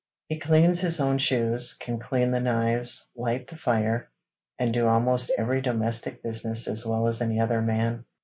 He cleans his own shoes; can clean the knives, light the fire, and do almost every domestic business as well as any other man.